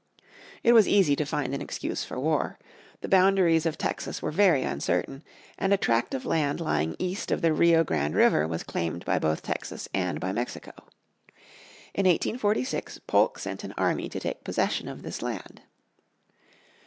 It was easy to find an excuse for war. The boundaries of Texas were very uncertain, and a tract of land lying east of the Rio Grande River was claimed by both Texas and by Mexico. IN 1846 Polk sent an army to take possession of this land.